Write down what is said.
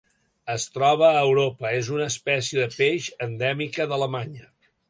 Es troba a Europa: és una espècie de peix endèmica d'Alemanya.